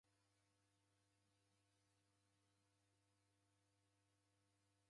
Barabara nyingi rekotekakoteka.